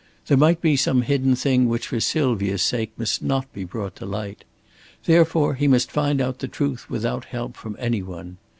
There might be some hidden thing which for Sylvia's sake must not be brought to light. Therefore he must find out the truth without help from any one.